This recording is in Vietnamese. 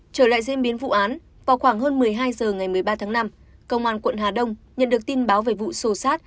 trở lại diễn biến vụ án vào khoảng hơn một mươi hai h ngày một mươi ba tháng năm công an quận hà đông nhận được tin báo về vụ sô sát